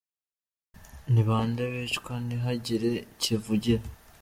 – Ni bande bicwa ntihagire kivugira?